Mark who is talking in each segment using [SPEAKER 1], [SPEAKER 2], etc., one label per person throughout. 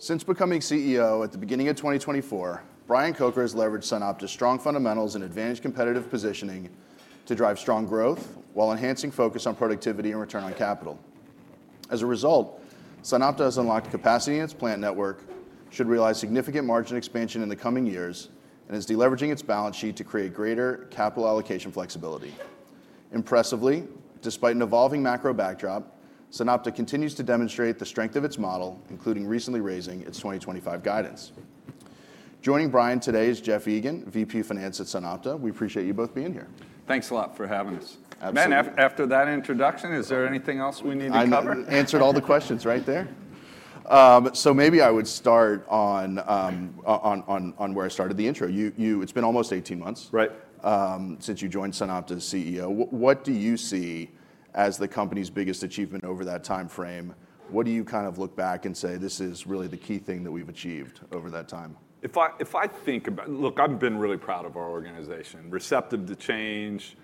[SPEAKER 1] Since becoming CEO at the beginning of 2024, Brian Kocher has leveraged SunOpta's strong fundamentals and advanced competitive positioning to drive strong growth while enhancing focus on productivity and return on capital. As a result, SunOpta has unlocked capacity in its plant network, should realize significant margin expansion in the coming years, and is deleveraging its balance sheet to create greater capital allocation flexibility. Impressively, despite an evolving macro backdrop, SunOpta continues to demonstrate the strength of its model, including recently raising its 2025 guidance. Joining Brian today is Jeff Egan, VP Finance at SunOpta. We appreciate you both being here.
[SPEAKER 2] Thanks a lot for having us.
[SPEAKER 1] Absolutely.
[SPEAKER 2] Man, after that introduction, is there anything else we need to cover?
[SPEAKER 1] I answered all the questions right there. Maybe I would start on where I started the intro. It's been almost 18 months since you joined SunOpta as CEO. What do you see as the company's biggest achievement over that time frame? What do you kind of look back and say, "This is really the key thing that we've achieved over that time"?
[SPEAKER 2] If I think about it, look, I've been really proud of our organization: receptive to change,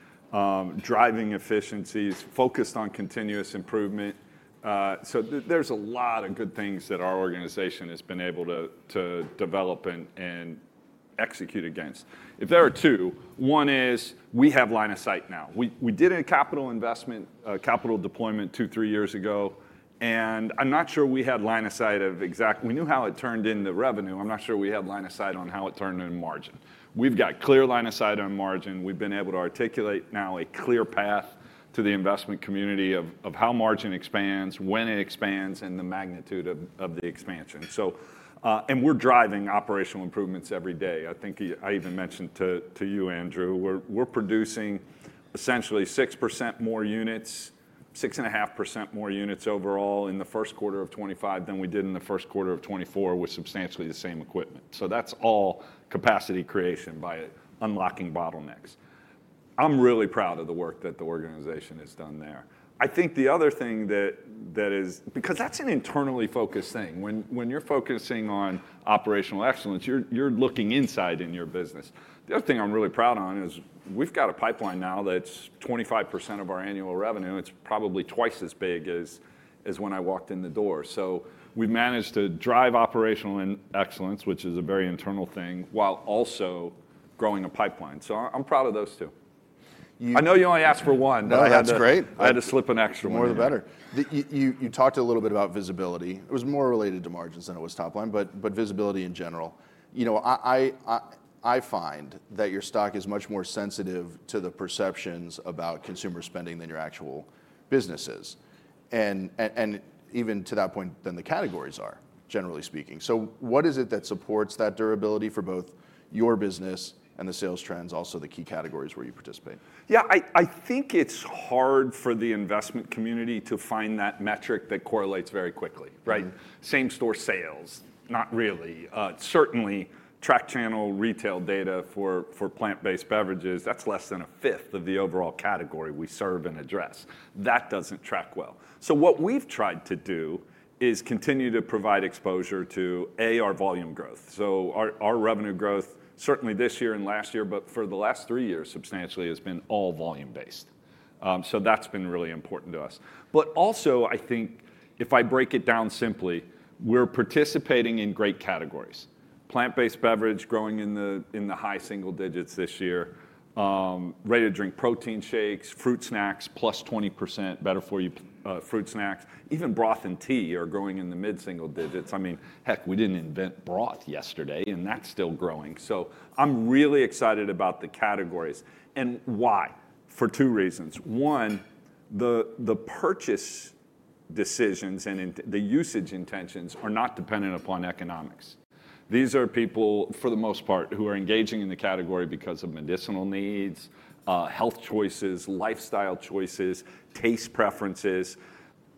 [SPEAKER 2] driving efficiencies, focused on continuous improvement. There are a lot of good things that our organization has been able to develop and execute against. If there are two, one is we have line of sight now. We did a capital investment, capital deployment two, three years ago, and I'm not sure we had line of sight of exactly—we knew how it turned in the revenue. I'm not sure we had line of sight on how it turned in margin. We've got clear line of sight on margin. We've been able to articulate now a clear path to the investment community of how margin expands, when it expands, and the magnitude of the expansion. We're driving operational improvements every day. I think I even mentioned to you, Andrew, we're producing essentially 6% more units, 6.5% more units overall in the 1st quarter of 2025 than we did in the 1st quarter of '24 with substantially the same equipment. That is all capacity creation by unlocking bottlenecks. I'm really proud of the work that the organization has done there. I think the other thing that is, because that's an internally focused thing. When you're focusing on operational excellence, you're looking inside in your business. The other thing I'm really proud of is we've got a pipeline now that's 25% of our annual revenue. It's probably twice as big as when I walked in the door. We have managed to drive operational excellence, which is a very internal thing, while also growing a pipeline. I'm proud of those two. I know you only asked for one, but I had to slip in an extra one.
[SPEAKER 1] More the better. You talked a little bit about visibility. It was more related to margins than it was top line, but visibility in general. I find that your stock is much more sensitive to the perceptions about consumer spending than your actual business is. Even to that point, then the categories are, generally speaking. What is it that supports that durability for both your business and the sales trends, also the key categories where you participate?
[SPEAKER 2] Yeah, I think it's hard for the investment community to find that metric that correlates very quickly. Same-store sales, not really. Certainly, track channel retail data for plant-based beverages, that's less than a fifth of the overall category we serve and address. That doesn't track well. What we've tried to do is continue to provide exposure to, A, our volume growth. Our revenue growth, certainly this year and last year, but for the last three years, substantially has been all volume-based. That's been really important to us. Also, I think if I break it down simply, we're participating in great categories. Plant-based beverage growing in the high single digits this year. Ready-to-drink protein shakes, fruit snacks, plus 20%, better for you, fruit snacks. Even broth and tea are growing in the mid-single digits. I mean, heck, we didn't invent broth yesterday, and that's still growing. I'm really excited about the categories. And why? For two reasons. One, the purchase decisions and the usage intentions are not dependent upon economics. These are people, for the most part, who are engaging in the category because of medicinal needs, health choices, lifestyle choices, taste preferences.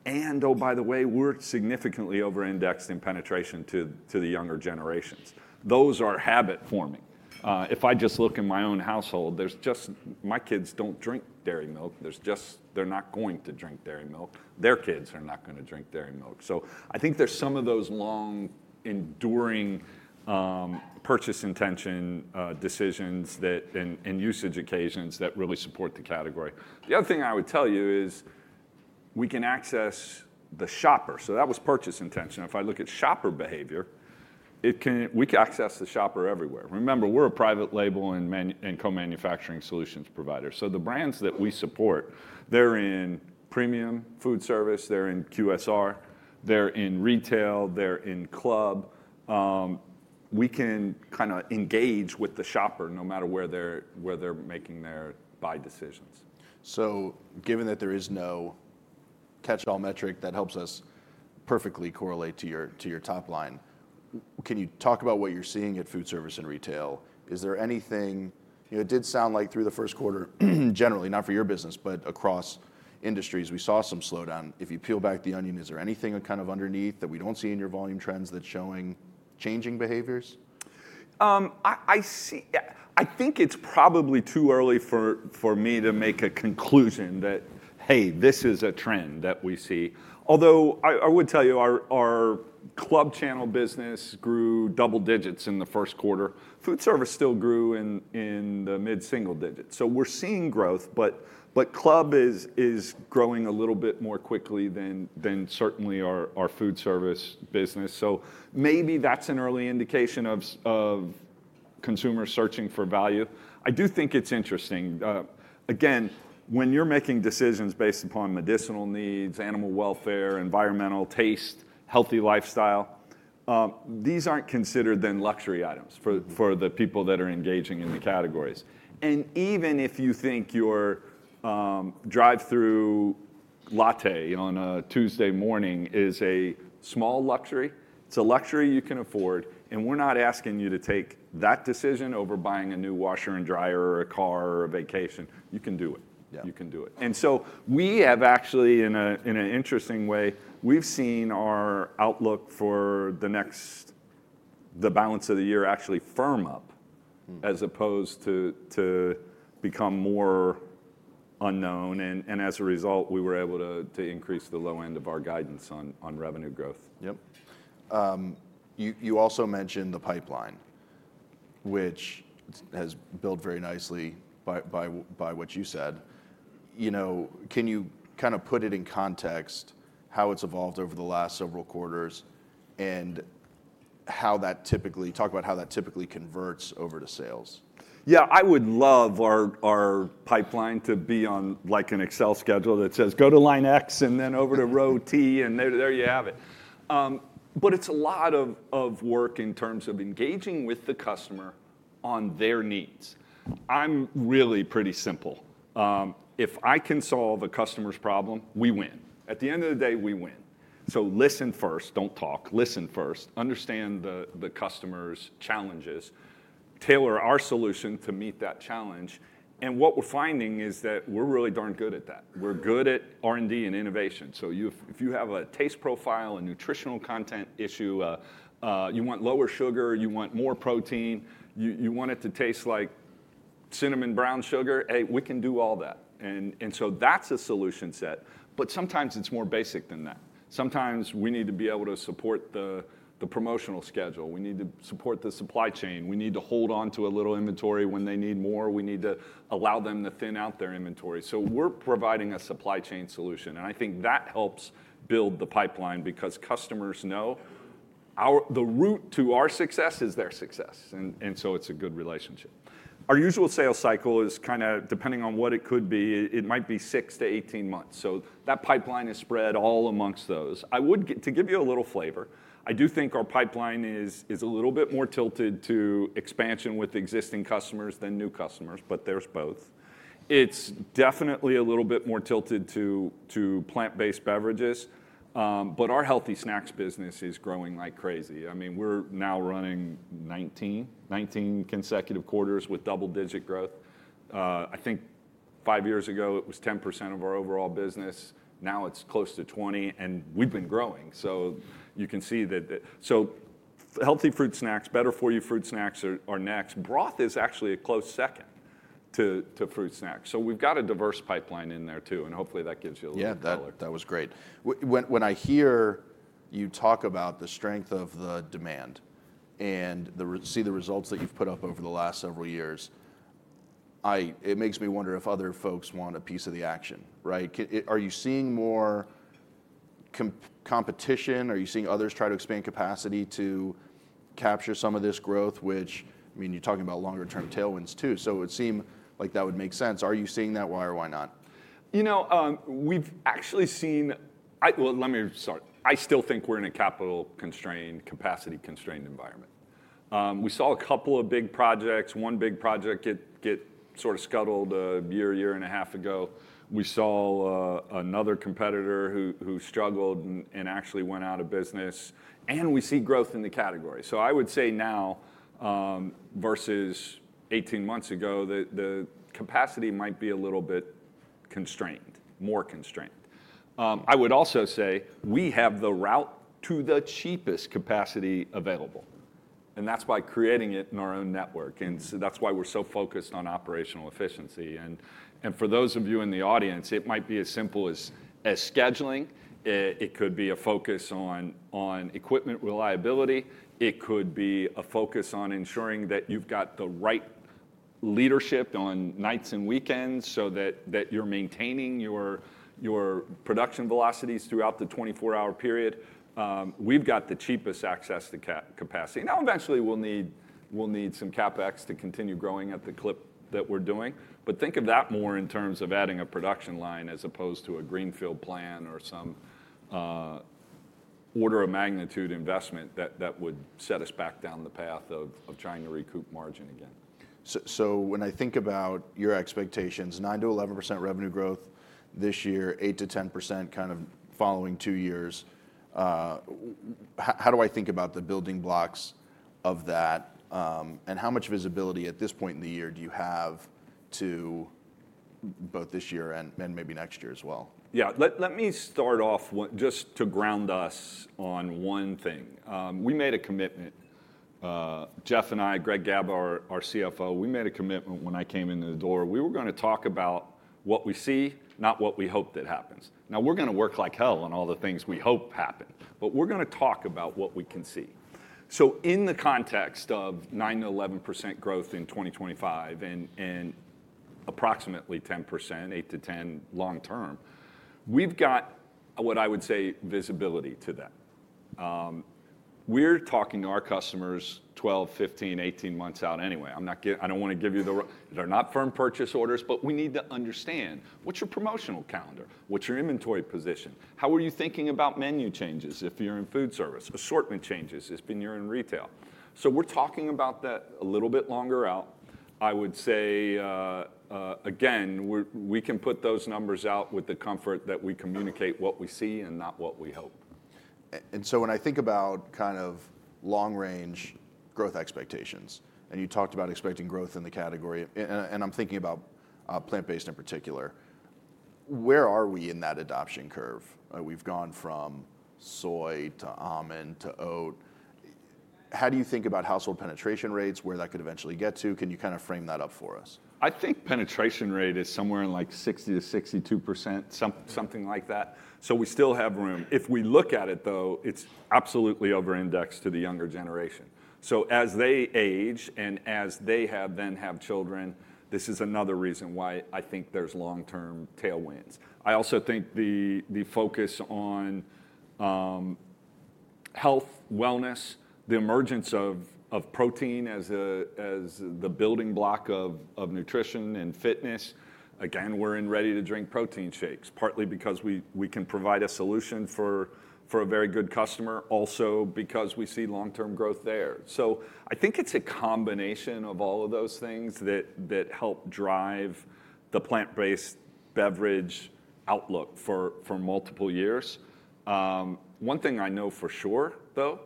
[SPEAKER 2] And oh, by the way, we're significantly over-indexed in penetration to the younger generations. Those are habit-forming. If I just look in my own household, there's just—my kids don't drink dairy milk. They're not going to drink dairy milk. Their kids are not going to drink dairy milk. I think there's some of those long, enduring purchase intention decisions and usage occasions that really support the category. The other thing I would tell you is we can access the shopper. That was purchase intention. If I look at shopper behavior, we can access the shopper everywhere. Remember, we're a private label and co-manufacturing solutions provider. The brands that we support, they're in premium food service, they're in QSR, they're in retail, they're in club. We can kind of engage with the shopper no matter where they're making their buy decisions.
[SPEAKER 1] Given that there is no catch-all metric that helps us perfectly correlate to your top line, can you talk about what you're seeing at food service and retail? Is there anything? It did sound like through the 1st quarter, generally, not for your business, but across industries, we saw some slowdown. If you peel back the onion, is there anything kind of underneath that we don't see in your volume trends that's showing changing behaviors?
[SPEAKER 2] I think it's probably too early for me to make a conclusion that, hey, this is a trend that we see. Although I would tell you our club channel business grew double digits in the 1st quarter. Food service still grew in the mid-single digits. We're seeing growth, but club is growing a little bit more quickly than certainly our food service business. Maybe that's an early indication of consumers searching for value. I do think it's interesting. Again, when you're making decisions based upon medicinal needs, animal welfare, environmental, taste, healthy lifestyle, these aren't considered then luxury items for the people that are engaging in the categories. Even if you think your drive-thru latte on a Tuesday morning is a small luxury, it's a luxury you can afford, and we're not asking you to take that decision over buying a new washer and dryer or a car or a vacation. You can do it. You can do it. In an interesting way, we've seen our outlook for the next balance of the year actually firm up as opposed to become more unknown. As a result, we were able to increase the low end of our guidance on revenue growth.
[SPEAKER 1] Yep. You also mentioned the pipeline, which has built very nicely by what you said. Can you kind of put it in context how it's evolved over the last several quarters and how that typically—talk about how that typically converts over to sales?
[SPEAKER 2] Yeah, I would love our pipeline to be on like an Excel schedule that says, "Go to line X and then over to row T," and there you have it. It is a lot of work in terms of engaging with the customer on their needs. I am really pretty simple. If I can solve a customer's problem, we win. At the end of the day, we win. Listen first, do not talk. Listen first. Understand the customer's challenges. Tailor our solution to meet that challenge. What we are finding is that we are really darn good at that. We are good at R&D and innovation. If you have a taste profile, a nutritional content issue, you want lower sugar, you want more protein, you want it to taste like cinnamon brown sugar, hey, we can do all that. That is a solution set. Sometimes it is more basic than that. Sometimes we need to be able to support the promotional schedule. We need to support the supply chain. We need to hold on to a little inventory when they need more. We need to allow them to thin out their inventory. We are providing a supply chain solution. I think that helps build the pipeline because customers know the route to our success is their success. It is a good relationship. Our usual sales cycle is kind of, depending on what it could be, it might be 6-18 months. That pipeline is spread all amongst those. To give you a little flavor, I do think our pipeline is a little bit more tilted to expansion with existing customers than new customers, but there is both. It is definitely a little bit more tilted to plant-based beverages. Our healthy snacks business is growing like crazy. I mean, we're now running 19 consecutive quarters with double-digit growth. I think five years ago, it was 10% of our overall business. Now it's close to 20%, and we've been growing. You can see that. Healthy fruit snacks, better for you, fruit snacks are next. Broth is actually a close second to fruit snacks. We've got a diverse pipeline in there too. Hopefully that gives you a little color.
[SPEAKER 1] Yeah, that was great. When I hear you talk about the strength of the demand and see the results that you've put up over the last several years, it makes me wonder if other folks want a piece of the action. Are you seeing more competition? Are you seeing others try to expand capacity to capture some of this growth, which, I mean, you're talking about longer-term tailwinds too. It would seem like that would make sense. Are you seeing that? Why or why not?
[SPEAKER 2] You know, we've actually seen—let me—sorry. I still think we're in a capital-constrained, capacity-constrained environment. We saw a couple of big projects. One big project get sort of scuttled a year, year and a half ago. We saw another competitor who struggled and actually went out of business. We see growth in the category. I would say now, versus 18 months ago, the capacity might be a little bit constrained, more constrained. I would also say we have the route to the cheapest capacity available. That's by creating it in our own network. That's why we're so focused on operational efficiency. For those of you in the audience, it might be as simple as scheduling. It could be a focus on equipment reliability. It could be a focus on ensuring that you've got the right leadership on nights and weekends so that you're maintaining your production velocities throughout the 24-hour period. We've got the cheapest access to capacity. Now, eventually, we'll need some CapEx to continue growing at the clip that we're doing. Think of that more in terms of adding a production line as opposed to a greenfield plan or some order of magnitude investment that would set us back down the path of trying to recoup margin again.
[SPEAKER 1] When I think about your expectations, 9-11% revenue growth this year, 8-10% kind of following two years, how do I think about the building blocks of that? And how much visibility at this point in the year do you have to both this year and maybe next year as well?
[SPEAKER 2] Yeah, let me start off just to ground us on one thing. We made a commitment. Jeff and I, Greg Gaba, our CFO, we made a commitment when I came in the door. We were going to talk about what we see, not what we hope that happens. Now, we're going to work like hell on all the things we hope happen, but we're going to talk about what we can see. In the context of 9-11% growth in 2025 and approximately 10%, 8-10 long-term, we've got what I would say visibility to that. We're talking to our customers 12, 15, 18 months out anyway. I do not want to give you the—they're not firm purchase orders, but we need to understand what's your promotional calendar? What's your inventory position? How are you thinking about menu changes if you're in food service? Assortment changes if you're in retail? We are talking about that a little bit longer out. I would say, again, we can put those numbers out with the comfort that we communicate what we see and not what we hope.
[SPEAKER 1] When I think about kind of long-range growth expectations, and you talked about expecting growth in the category, and I'm thinking about plant-based in particular, where are we in that adoption curve? We've gone from soy to almond to oat. How do you think about household penetration rates, where that could eventually get to? Can you kind of frame that up for us?
[SPEAKER 2] I think penetration rate is somewhere in like 60-62%, something like that. We still have room. If we look at it, though, it's absolutely over-indexed to the younger generation. As they age and as they then have children, this is another reason why I think there's long-term tailwinds. I also think the focus on health, wellness, the emergence of protein as the building block of nutrition and fitness, again, we're in ready-to-drink protein shakes, partly because we can provide a solution for a very good customer, also because we see long-term growth there. I think it's a combination of all of those things that help drive the plant-based beverage outlook for multiple years. One thing I know for sure, though,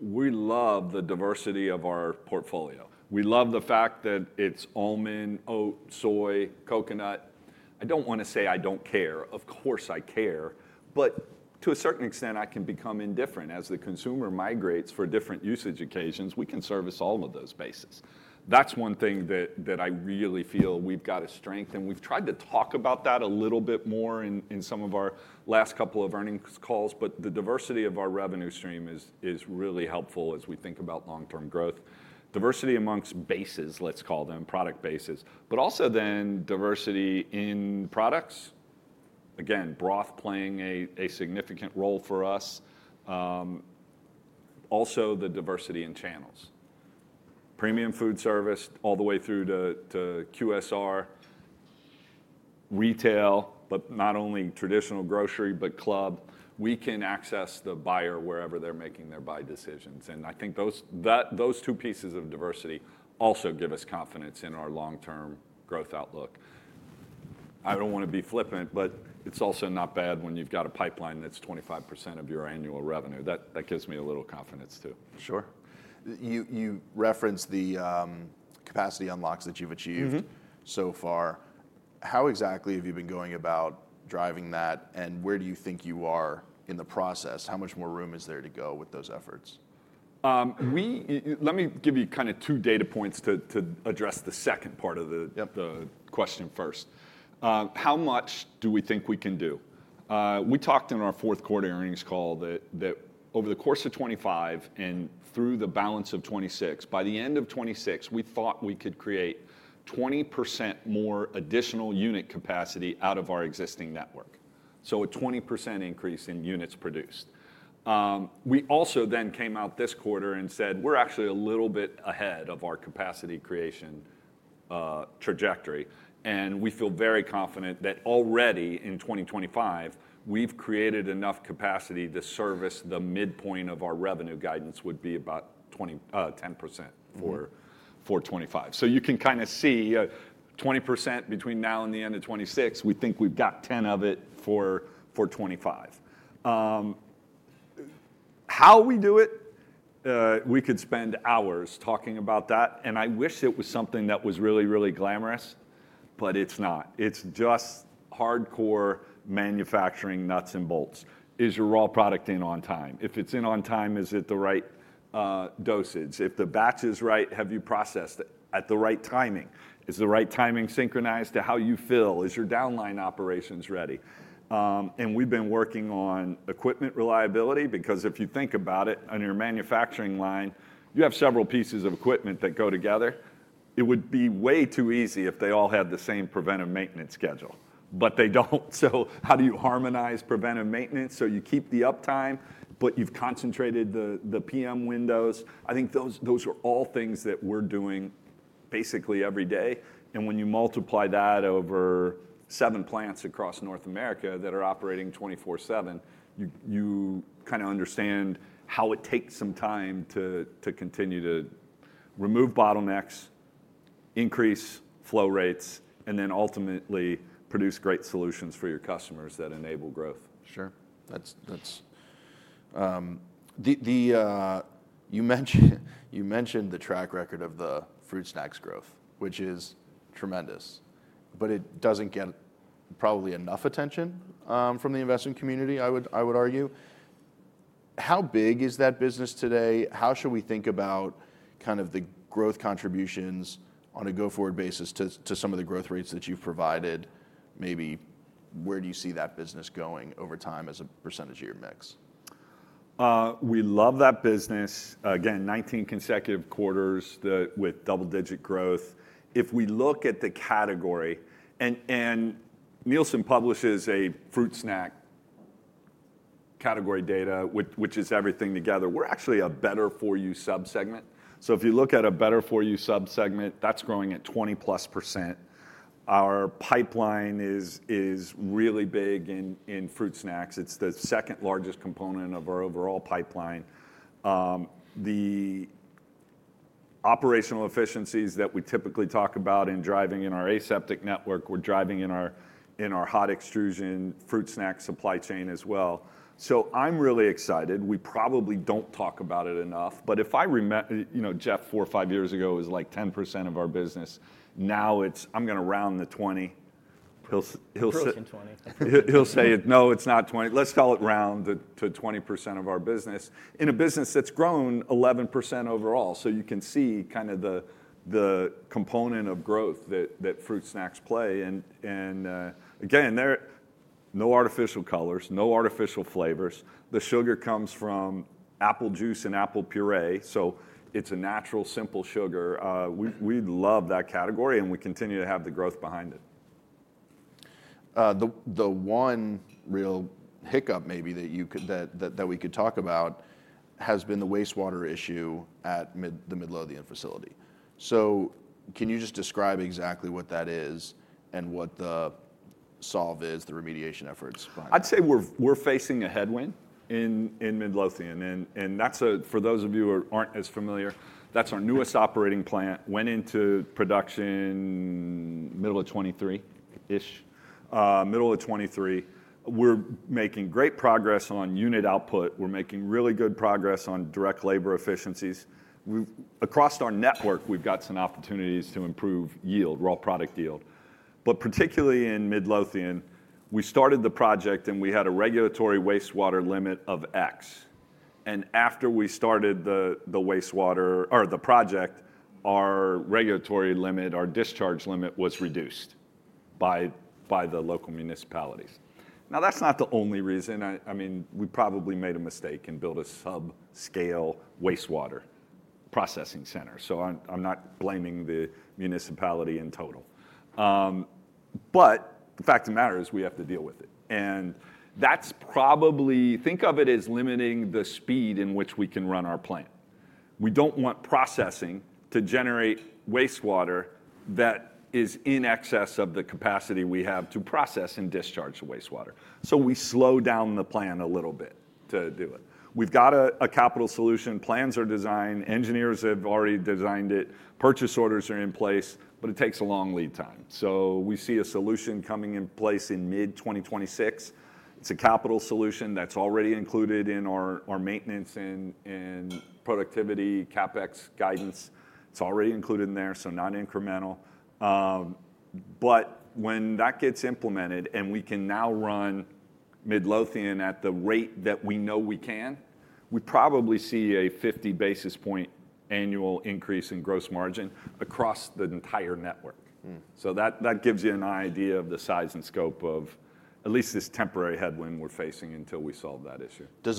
[SPEAKER 2] we love the diversity of our portfolio. We love the fact that it's almond, oat, soy, coconut. I don't want to say I don't care. Of course, I care. To a certain extent, I can become indifferent. As the consumer migrates for different usage occasions, we can service all of those bases. That is one thing that I really feel we have got a strength. We have tried to talk about that a little bit more in some of our last couple of earnings calls. The diversity of our revenue stream is really helpful as we think about long-term growth. Diversity amongst bases, let's call them, product bases. Also, then diversity in products. Again, broth playing a significant role for us. Also, the diversity in channels. Premium food service all the way through to QSR, retail, not only traditional grocery, but club. We can access the buyer wherever they are making their buy decisions. I think those two pieces of diversity also give us confidence in our long-term growth outlook. I don't want to be flippant, but it's also not bad when you've got a pipeline that's 25% of your annual revenue. That gives me a little confidence too.
[SPEAKER 1] Sure. You referenced the capacity unlocks that you've achieved so far. How exactly have you been going about driving that? Where do you think you are in the process? How much more room is there to go with those efforts?
[SPEAKER 2] Let me give you kind of two data points to address the second part of the question first. How much do we think we can do? We talked in our 4th quarter earnings call that over the course of '25 and through the balance of '26, by the end of '26, we thought we could create 20% more additional unit capacity out of our existing network. So a 20% increase in units produced. We also then came out this quarter and said, "We're actually a little bit ahead of our capacity creation trajectory." We feel very confident that already in 2025, we've created enough capacity to service the midpoint of our revenue guidance would be about 10% for '25. You can kind of see 20% between now and the end of '26, we think we've got 10 of it for '25. How we do it? We could spend hours talking about that. I wish it was something that was really, really glamorous, but it's not. It's just hardcore manufacturing nuts and bolts. Is your raw product in on time? If it's in on time, is it the right dosage? If the batch is right, have you processed it at the right timing? Is the right timing synchronized to how you fill? Is your downline operations ready? We have been working on equipment reliability because if you think about it, on your manufacturing line, you have several pieces of equipment that go together. It would be way too easy if they all had the same preventive maintenance schedule. They do not. How do you harmonize preventive maintenance so you keep the uptime, but you have concentrated the PM windows? I think those are all things that we are doing basically every day. When you multiply that over seven plants across North America that are operating 24/7, you kind of understand how it takes some time to continue to remove bottlenecks, increase flow rates, and then ultimately produce great solutions for your customers that enable growth.
[SPEAKER 1] Sure. You mentioned the track record of the fruit snacks growth, which is tremendous. It does not get probably enough attention from the investment community, I would argue. How big is that business today? How should we think about kind of the growth contributions on a go-forward basis to some of the growth rates that you have provided? Maybe where do you see that business going over time as a percentage of your mix?
[SPEAKER 2] We love that business. Again, 19 consecutive quarters with double-digit growth. If we look at the category, and Nielsen publishes a fruit snack category data, which is everything together, we're actually a better-for-you subsegment. If you look at a better-for-you subsegment, that's growing at 20% plus. Our pipeline is really big in fruit snacks. It's the second largest component of our overall pipeline. The operational efficiencies that we typically talk about in driving in our aseptic network, we're driving in our hot extrusion fruit snack supply chain as well. I'm really excited. We probably don't talk about it enough. If I remember, Jeff, four or five years ago was like 10% of our business. Now it's, "I'm going to round the 20.
[SPEAKER 3] He'll say it's 20.
[SPEAKER 2] He'll say, "No, it's not 20." Let's call it round to 20% of our business in a business that's grown 11% overall. You can see kind of the component of growth that fruit snacks play. Again, no artificial colors, no artificial flavors. The sugar comes from apple juice and apple puree. It's a natural, simple sugar. We love that category, and we continue to have the growth behind it.
[SPEAKER 1] The one real hiccup maybe that we could talk about has been the wastewater issue at the Midlothian facility. Can you just describe exactly what that is and what the solve is, the remediation efforts behind it?
[SPEAKER 2] I'd say we're facing a headwind in Midlothian. And for those of you who aren't as familiar, that's our newest operating plant. Went into production middle of '23-ish, middle of '23. We're making great progress on unit output. We're making really good progress on direct labor efficiencies. Across our network, we've got some opportunities to improve yield, raw product yield. But particularly in Midlothian, we started the project, and we had a regulatory wastewater limit of X. And after we started the wastewater or the project, our regulatory limit, our discharge limit was reduced by the local municipalities. Now, that's not the only reason. I mean, we probably made a mistake and built a sub-scale wastewater processing center. So I'm not blaming the municipality in total. But the fact of the matter is we have to deal with it. That is probably, think of it as limiting the speed in which we can run our plant. We do not want processing to generate wastewater that is in excess of the capacity we have to process and discharge the wastewater. We slow down the plant a little bit to do it. We have a capital solution. Plans are designed. Engineers have already designed it. Purchase orders are in place, but it takes a long lead time. We see a solution coming in place in mid-2026. It is a capital solution that is already included in our maintenance and productivity CapEx guidance. It is already included in there, so non-incremental. When that gets implemented and we can now run Midlothian at the rate that we know we can, we probably see a 50 basis point annual increase in gross margin across the entire network. That gives you an idea of the size and scope of at least this temporary headwind we're facing until we solve that issue.
[SPEAKER 1] Does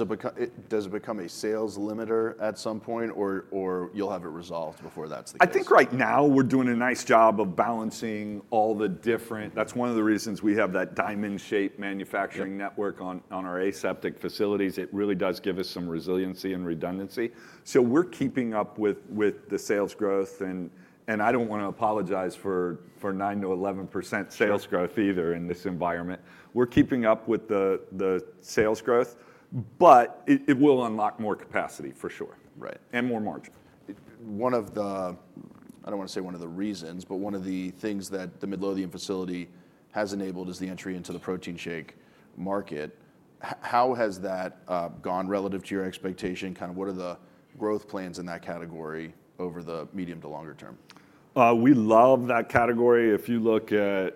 [SPEAKER 1] it become a sales limiter at some point, or you'll have it resolved before that's the issue?
[SPEAKER 2] I think right now we're doing a nice job of balancing all the different, that's one of the reasons we have that diamond-shaped manufacturing network on our aseptic facilities. It really does give us some resiliency and redundancy. We're keeping up with the sales growth. I don't want to apologize for 9-11% sales growth either in this environment. We're keeping up with the sales growth, but it will unlock more capacity for sure and more margin.
[SPEAKER 1] One of the, I don't want to say one of the reasons, but one of the things that the Midlothian facility has enabled is the entry into the protein shake market. How has that gone relative to your expectation? Kind of what are the growth plans in that category over the medium to longer term?
[SPEAKER 2] We love that category. If you look at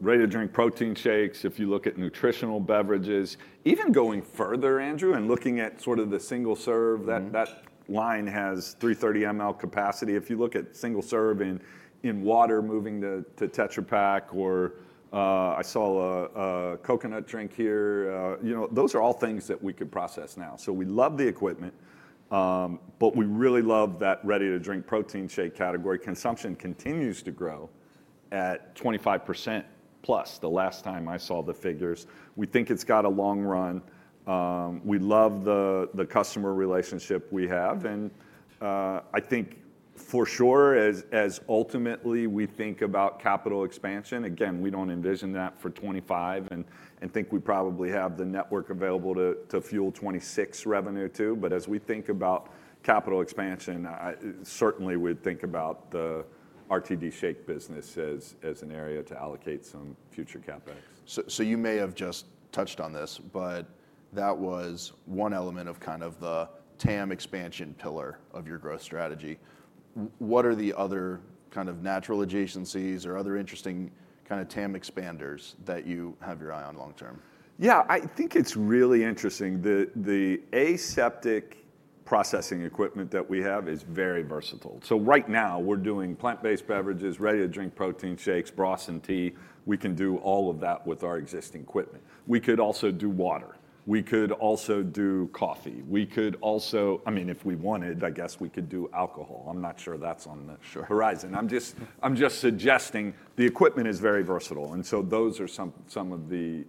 [SPEAKER 2] ready-to-drink protein shakes, if you look at nutritional beverages, even going further, Andrew, and looking at sort of the single serve, that line has 330 mL capacity. If you look at single serve and water moving to Tetra Pak or I saw a coconut drink here, those are all things that we could process now. We love the equipment, but we really love that ready-to-drink protein shake category. Consumption continues to grow at 25% plus the last time I saw the figures. We think it's got a long run. We love the customer relationship we have. I think for sure, as ultimately we think about capital expansion, again, we do not envision that for 2025 and think we probably have the network available to fuel '26 revenue too. As we think about capital expansion, certainly we'd think about the RTD shake business as an area to allocate some future CapEx.
[SPEAKER 1] You may have just touched on this, but that was one element of kind of the TAM expansion pillar of your growth strategy. What are the other kind of natural adjacencies or other interesting kind of TAM expanders that you have your eye on long-term?
[SPEAKER 2] Yeah, I think it's really interesting. The aseptic processing equipment that we have is very versatile. Right now we're doing plant-based beverages, ready-to-drink protein shakes, broths, and tea. We can do all of that with our existing equipment. We could also do water. We could also do coffee. We could also, I mean, if we wanted, I guess we could do alcohol. I'm not sure that's on the horizon. I'm just suggesting the equipment is very versatile. Those are some of the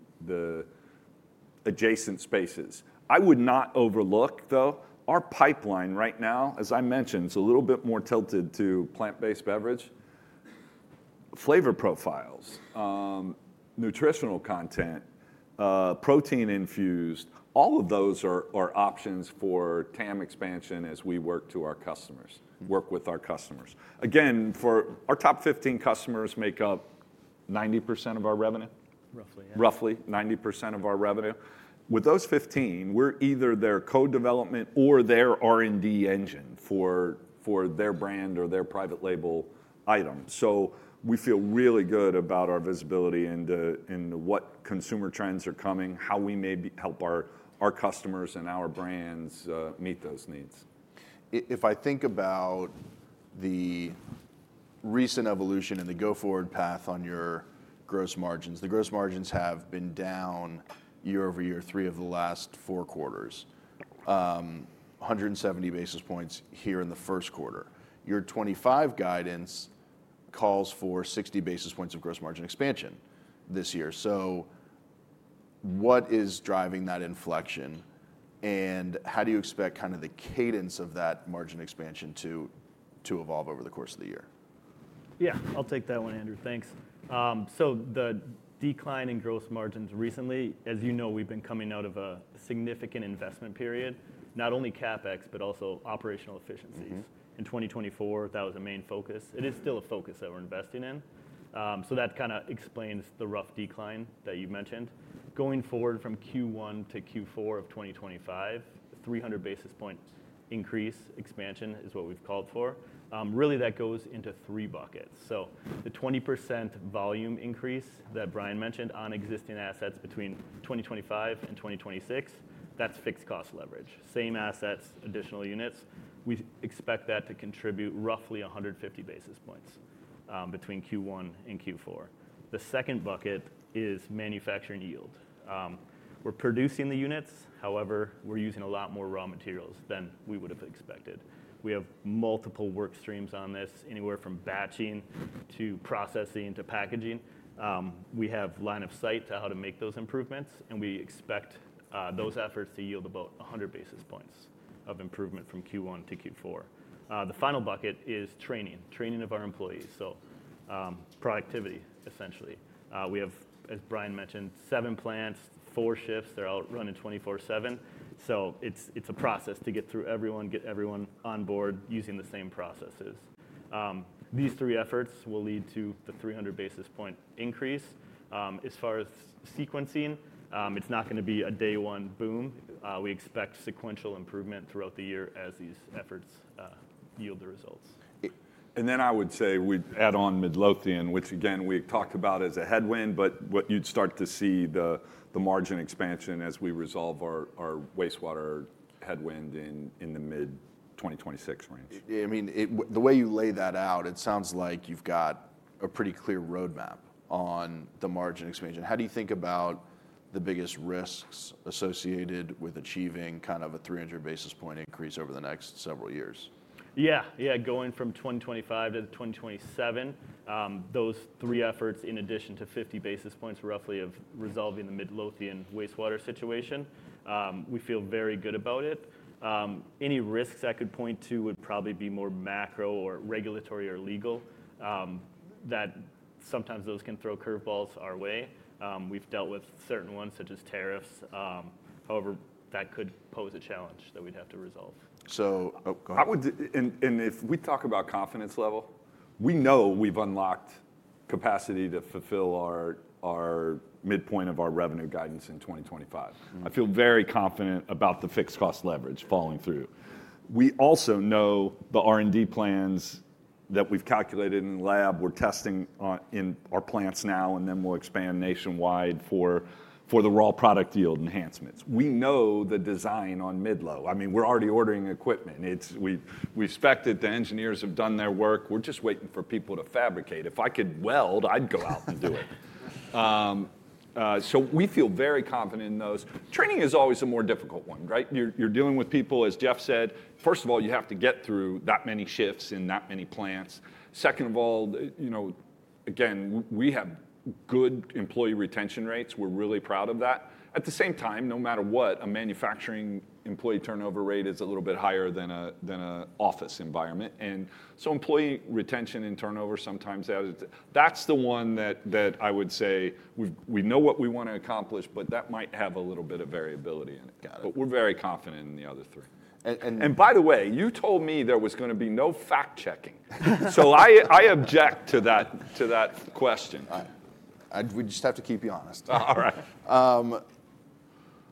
[SPEAKER 2] adjacent spaces. I would not overlook, though, our pipeline right now, as I mentioned, is a little bit more tilted to plant-based beverage. Flavor profiles, nutritional content, protein infused, all of those are options for TAM expansion as we work to our customers, work with our customers. Again, our top 15 customers make up 90% of our revenue.
[SPEAKER 3] Roughly, yeah.
[SPEAKER 2] Roughly 90% of our revenue. With those 15, we're either their co-development or their R&D engine for their brand or their private label item. We feel really good about our visibility into what consumer trends are coming, how we may help our customers and our brands meet those needs.
[SPEAKER 1] If I think about the recent evolution and the go-forward path on your gross margins, the gross margins have been down year over year three of the last four quarters, 170 basis points here in the 1st quarter. Your '25 guidance calls for 60 basis points of gross margin expansion this year. What is driving that inflection? How do you expect kind of the cadence of that margin expansion to evolve over the course of the year?
[SPEAKER 3] Yeah, I'll take that one, Andrew. Thanks. The decline in gross margins recently, as you know, we've been coming out of a significant investment period, not only CapEx, but also operational efficiencies. In 2024, that was a main focus. It is still a focus that we're investing in. That kind of explains the rough decline that you mentioned. Going forward from Q1 to Q4 of 2025, 300 basis point increase expansion is what we've called for. Really, that goes into three buckets. The 20% volume increase that Brian mentioned on existing assets between 2025 and 2026, that's fixed cost leverage. Same assets, additional units. We expect that to contribute roughly 150 basis points between Q1 and Q4. The second bucket is manufacturing yield. We're producing the units. However, we're using a lot more raw materials than we would have expected. We have multiple work streams on this, anywhere from batching to processing to packaging. We have line of sight to how to make those improvements, and we expect those efforts to yield about 100 basis points of improvement from Q1 to Q4. The final bucket is training, training of our employees. So productivity, essentially. We have, as Brian mentioned, seven plants, four shifts. They're out running 24/7. It is a process to get through everyone, get everyone on board using the same processes. These three efforts will lead to the 300 basis point increase. As far as sequencing, it's not going to be a day one boom. We expect sequential improvement throughout the year as these efforts yield the results.
[SPEAKER 2] I would say we'd add on Midlothian, which again, we talked about as a headwind, but what you'd start to see is the margin expansion as we resolve our wastewater headwind in the mid-2026 range.
[SPEAKER 1] I mean, the way you lay that out, it sounds like you've got a pretty clear roadmap on the margin expansion. How do you think about the biggest risks associated with achieving kind of a 300 basis point increase over the next several years?
[SPEAKER 4] Yeah, yeah. Going from 2025 to 2027, those three efforts in addition to 50 basis points roughly of resolving the Midlothian wastewater situation, we feel very good about it. Any risks I could point to would probably be more macro or regulatory or legal that sometimes those can throw curveballs our way. We've dealt with certain ones such as tariffs. However, that could pose a challenge that we'd have to resolve.
[SPEAKER 1] So. Oh, go ahead.
[SPEAKER 2] If we talk about confidence level, we know we have unlocked capacity to fulfill our midpoint of our revenue guidance in 2025. I feel very confident about the fixed cost leverage following through. We also know the R&D plans that we have calculated in the lab. We are testing in our plants now, and then we will expand nationwide for the raw product yield enhancements. We know the design on Midlothian. I mean, we are already ordering equipment. We expect that the engineers have done their work. We are just waiting for people to fabricate. If I could weld, I would go out and do it. We feel very confident in those. Training is always a more difficult one, right? You are dealing with people, as Jeff said. First of all, you have to get through that many shifts in that many plants. Second of all, again, we have good employee retention rates. We're really proud of that. At the same time, no matter what, a manufacturing employee turnover rate is a little bit higher than an office environment. Employee retention and turnover, sometimes that's the one that I would say we know what we want to accomplish, but that might have a little bit of variability in it. We're very confident in the other three. By the way, you told me there was going to be no fact-checking. I object to that question. We just have to keep you honest. All right.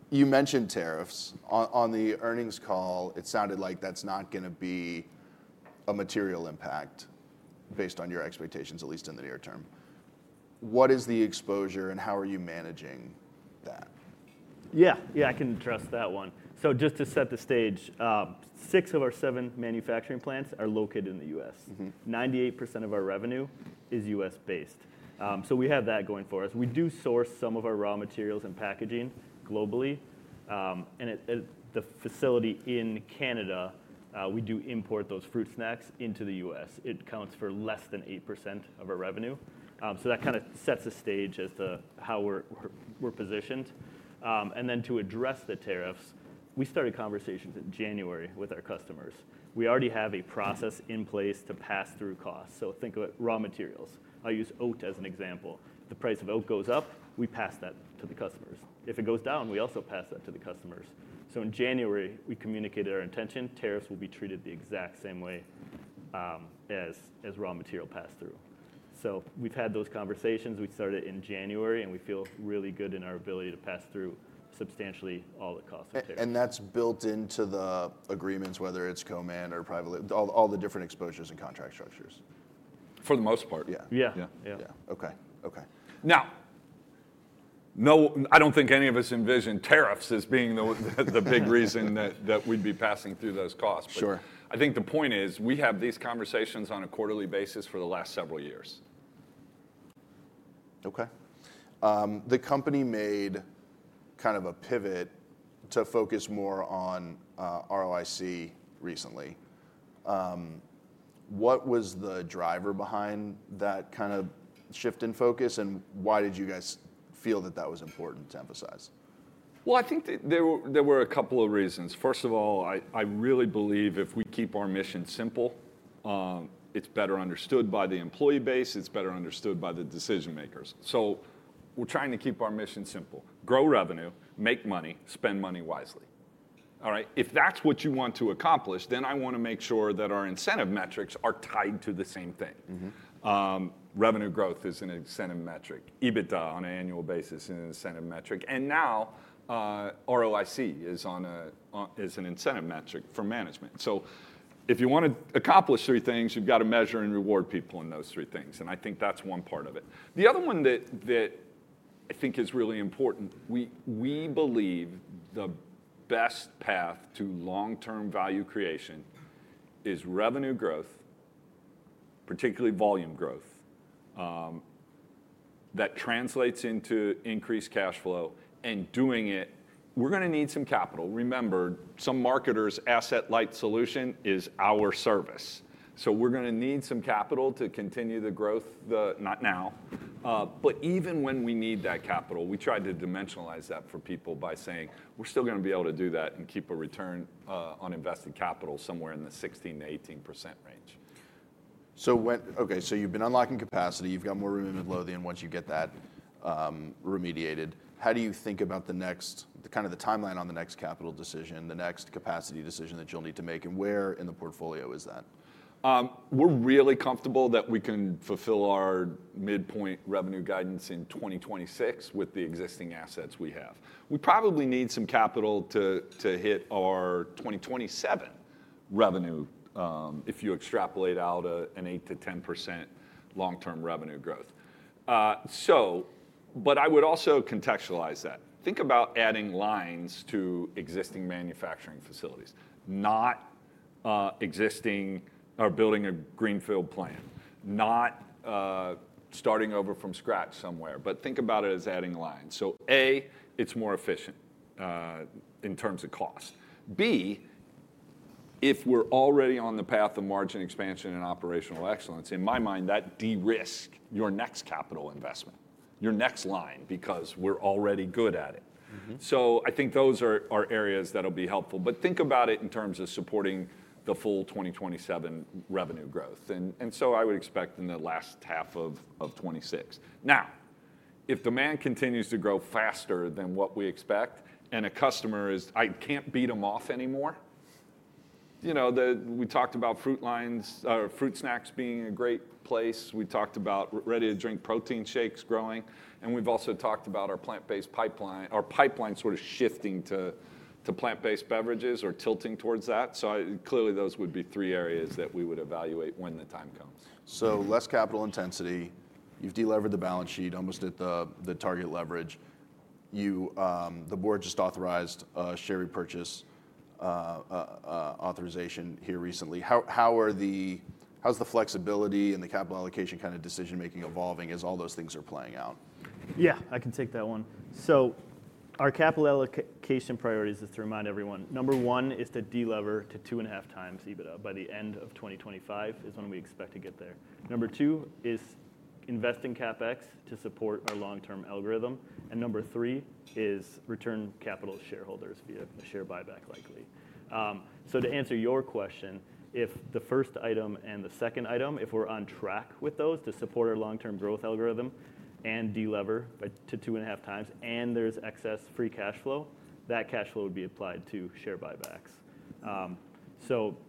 [SPEAKER 1] You mentioned tariffs. On the earnings call, it sounded like that's not going to be a material impact based on your expectations, at least in the near term. What is the exposure, and how are you managing that?
[SPEAKER 3] Yeah, yeah, I can address that one. Just to set the stage, six of our seven manufacturing plants are located in the U.S. 98% of our revenue is U.S.-based. We do source some of our raw materials and packaging globally. At the facility in Canada, we do import those fruit snacks into the U.S. It accounts for less than 8% of our revenue. That kind of sets a stage as to how we're positioned. To address the tariffs, we started conversations in January with our customers. We already have a process in place to pass through costs. Think of it, raw materials. I'll use oat as an example. If the price of oat goes up, we pass that to the customers. If it goes down, we also pass that to the customers. In January, we communicated our intention. Tariffs will be treated the exact same way as raw material passed through. We have had those conversations. We started in January, and we feel really good in our ability to pass through substantially all the costs of tariffs.
[SPEAKER 1] That is built into the agreements, whether it is co-man or privately, all the different exposures and contract structures.
[SPEAKER 2] For the most part.
[SPEAKER 3] Yeah.
[SPEAKER 2] Yeah. Yeah. Okay. Okay. Now, I don't think any of us envision tariffs as being the big reason that we'd be passing through those costs. I think the point is we have these conversations on a quarterly basis for the last several years.
[SPEAKER 1] Okay. The company made kind of a pivot to focus more on ROIC recently. What was the driver behind that kind of shift in focus, and why did you guys feel that that was important to emphasize?
[SPEAKER 2] I think there were a couple of reasons. First of all, I really believe if we keep our mission simple, it's better understood by the employee base. It's better understood by the decision-makers. We are trying to keep our mission simple. Grow revenue, make money, spend money wisely. All right. If that's what you want to accomplish, then I want to make sure that our incentive metrics are tied to the same thing. Revenue growth is an incentive metric. EBITDA on an annual basis is an incentive metric. Now ROIC is an incentive metric for management. If you want to accomplish three things, you have to measure and reward people in those three things. I think that's one part of it. The other one that I think is really important, we believe the best path to long-term value creation is revenue growth, particularly volume growth, that translates into increased cash flow. Doing it, we're going to need some capital. Remember, some marketers' asset-light solution is our service. We're going to need some capital to continue the growth, not now. Even when we need that capital, we tried to dimensionalize that for people by saying we're still going to be able to do that and keep a return on invested capital somewhere in the 16-18% range.
[SPEAKER 1] Okay, so you've been unlocking capacity. You've got more room in Midlothian once you get that remediated. How do you think about the next, kind of the timeline on the next capital decision, the next capacity decision that you'll need to make, and where in the portfolio is that?
[SPEAKER 2] We're really comfortable that we can fulfill our midpoint revenue guidance in 2026 with the existing assets we have. We probably need some capital to hit our 2027 revenue if you extrapolate out an 8-10% long-term revenue growth. I would also contextualize that. Think about adding lines to existing manufacturing facilities, not building a greenfield plant, not starting over from scratch somewhere, but think about it as adding lines. A, it's more efficient in terms of cost. B, if we're already on the path of margin expansion and operational excellence, in my mind, that de-risks your next capital investment, your next line, because we're already good at it. I think those are areas that will be helpful. Think about it in terms of supporting the full 2027 revenue growth. I would expect in the last half of 2026. Now, if demand continues to grow faster than what we expect and a customer is, I can't beat them off anymore, we talked about fruit lines, fruit snacks being a great place. We talked about ready-to-drink protein shakes growing. We have also talked about our plant-based pipeline, our pipeline sort of shifting to plant-based beverages or tilting towards that. Clearly, those would be three areas that we would evaluate when the time comes.
[SPEAKER 1] Less capital intensity. You've delivered the balance sheet almost at the target leverage. The board just authorized a share repurchase authorization here recently. How is the flexibility and the capital allocation kind of decision-making evolving as all those things are playing out?
[SPEAKER 3] Yeah, I can take that one. So our capital allocation priorities, just to remind everyone, number one is to delever to 2.5 times EBITDA by the end of 2025 is when we expect to get there. Number two is investing CapEx to support our long-term algorithm. And number three is return capital shareholders via a share buyback likely. To answer your question, if the first item and the second item, if we're on track with those to support our long-term growth algorithm and delever to 2.5 times and there's excess free cash flow, that cash flow would be applied to share buybacks.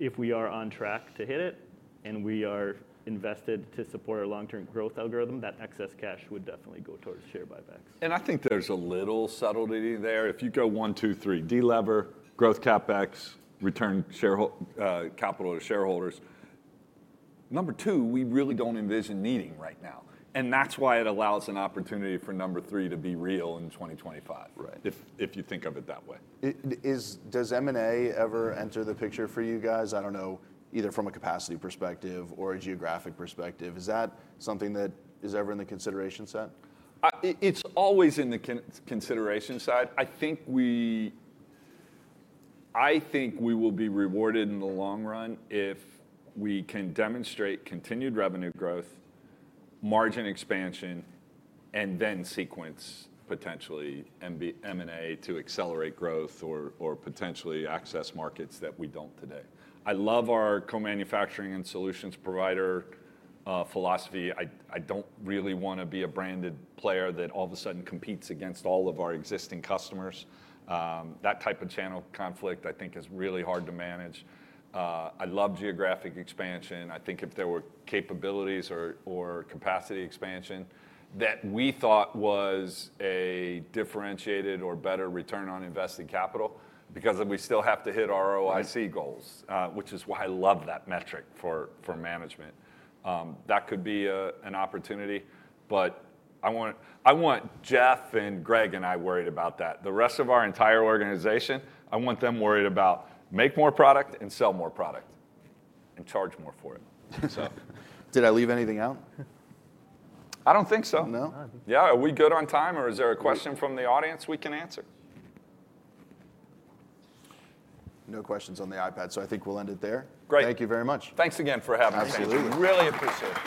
[SPEAKER 3] If we are on track to hit it and we are invested to support our long-term growth algorithm, that excess cash would definitely go towards share buybacks.
[SPEAKER 2] I think there's a little subtlety there. If you go one, two, three, delever, growth CapEx, return capital to shareholders. Number 2, we really don't envision needing right now. That's why it allows an opportunity for number 3 to be real in 2025, if you think of it that way.
[SPEAKER 1] Does M&A ever enter the picture for you guys? I don't know, either from a capacity perspective or a geographic perspective. Is that something that is ever in the consideration set?
[SPEAKER 2] It's always in the consideration side. I think we will be rewarded in the long run if we can demonstrate continued revenue growth, margin expansion, and then sequence potentially M&A to accelerate growth or potentially access markets that we don't today. I love our co-manufacturing and solutions provider philosophy. I don't really want to be a branded player that all of a sudden competes against all of our existing customers. That type of channel conflict, I think, is really hard to manage. I love geographic expansion. I think if there were capabilities or capacity expansion that we thought was a differentiated or better return on invested capital because we still have to hit our ROIC goals, which is why I love that metric for management. That could be an opportunity. I want Jeff and Greg and I worried about that. The rest of our entire organization, I want them worried about make more product and sell more product and charge more for it. Did I leave anything out?
[SPEAKER 1] I don't think so. No?
[SPEAKER 2] Yeah. Are we good on time, or is there a question from the audience we can answer?
[SPEAKER 1] No questions on the iPad, so I think we'll end it there.
[SPEAKER 2] Great.
[SPEAKER 1] Thank you very much.
[SPEAKER 2] Thanks again for having us.
[SPEAKER 1] Absolutely.
[SPEAKER 2] Really appreciate it.